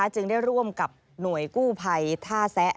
จึงได้ร่วมกับหน่วยกู้ภัยท่าแซะ